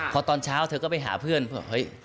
พอตอนเช้าเธอก็ไปหาเพื่อนว่าเฮ้ย